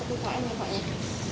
terima kasih pak